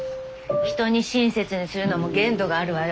人に親切にするのも限度があるわよ。